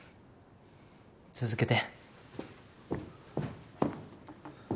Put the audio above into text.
続けて。